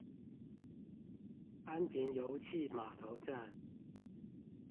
安平遊憩碼頭站